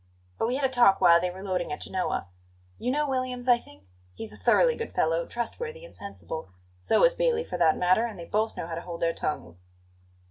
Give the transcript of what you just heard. But we had a talk while they were loading at Genoa. You know Williams, I think? He's a thoroughly good fellow, trustworthy and sensible; so is Bailey, for that matter; and they both know how to hold their tongues."